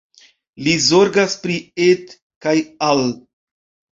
Li zorgas pri Ed kaj Al.